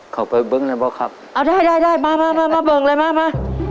เขาไปเบิ้งเลยป่อครับอ้าวได้มามาเบิ้งเลยมา